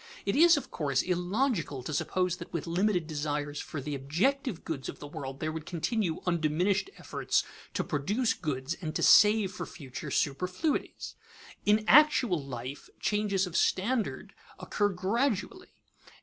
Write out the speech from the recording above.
It is, of course, illogical to suppose that with limited desires for the objective goods of the world there would continue undiminished efforts to produce goods and to save for future superfluities. In actual life changes of standard occur gradually.